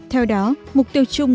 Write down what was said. theo đó mục tiêu chung